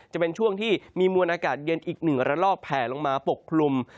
จะเป็นช่วงที่มีมวลอากาศเย็นอีกหนึ่งระลอกแผลลงมาปกคลุม